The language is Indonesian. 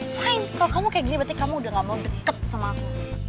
sign kalau kamu kayak gini berarti kamu udah gak mau deket sama aku